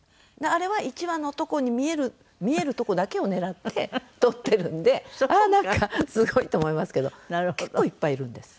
あれは１羽のとこに見える見えるとこだけを狙って撮ってるんでああなんかすごいと思いますけど結構いっぱいいるんです。